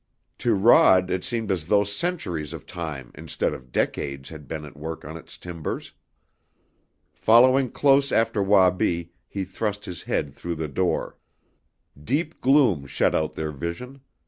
To Rod it seemed as though centuries of time instead of decades had been at work on its timbers. Following close after Wabi he thrust his head through the door. Deep gloom shut out their vision.